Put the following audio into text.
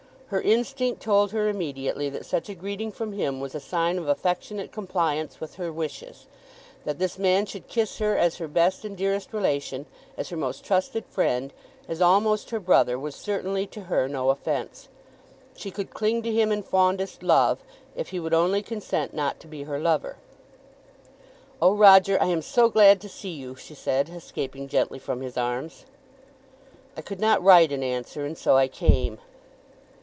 Her instinct told her immediately that such a greeting from him was a sign of affectionate compliance with her wishes. That this man should kiss her as her best and dearest relation, as her most trusted friend, as almost her brother, was certainly to her no offence. She could cling to him in fondest love, if he would only consent not to be her lover. "Oh, Roger, I am so glad to see you," she said, escaping gently from his arms. "I could not write an answer, and so I came."